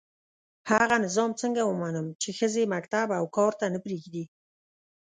هغه نظام څنګه ومنم چي ښځي مکتب او کار ته نه پزېږدي